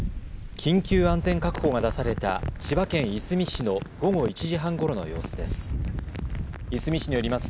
緊急安全確保が出された千葉県いすみ市の午後１時半ごろの様子です。